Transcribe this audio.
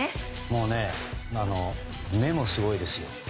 もうね、目もすごいです。